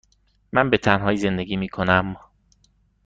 من به تنهایی زندگی می کنم.